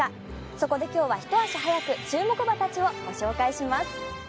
そこで今日はひと足早く注目馬たちをご紹介します。